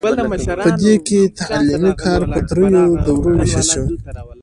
په دې کې تعلیمي کار په دریو دورو ویشل شوی.